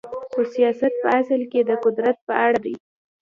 خو سیاست په اصل کې د قدرت په اړه دی.